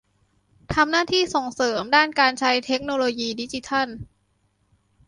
ทำหน้าที่ส่งเสริมด้านการใช้เทคโนโลยีดิจิทัล